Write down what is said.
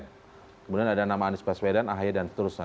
kemudian ada nama anies baswedan ahaya dan seterusnya